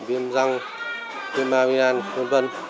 viêm răng viêm aminan